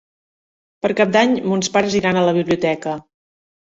Per Cap d'Any mons pares iran a la biblioteca.